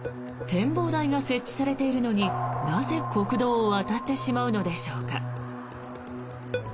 展望台が設置されているのになぜ国道を渡ってしまうのでしょうか。